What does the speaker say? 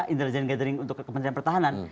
intelijen gathering untuk kementerian pertahanan